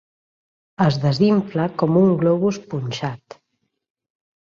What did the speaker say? Es desinfla com un globus punxat.